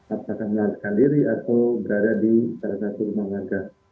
apakah melarikan diri atau berada di salah satu rumah warga